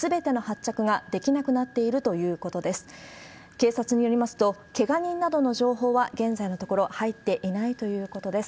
警察によりますと、けが人などの情報は現在のところ入っていないということです。